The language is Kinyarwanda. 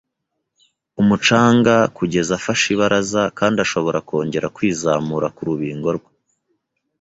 umucanga kugeza afashe ibaraza kandi ashobora kongera kwizamura ku rubingo rwe.